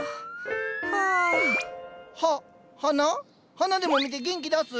花でも見て元気出す？